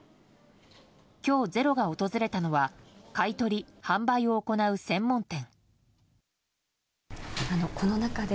今日、「ｚｅｒｏ」が訪れたのは買い取り・販売を行う専門店。